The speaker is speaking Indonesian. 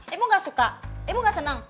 ibu ga suka ibu ga senang